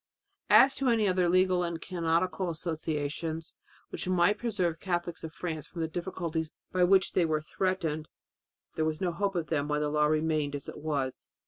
As to any other "legal and canonical" associations which might preserve the Catholics of France from the difficulties by which they were threatened, there was no hope of them while the law remained as it was.